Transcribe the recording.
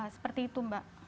seperti itu mbak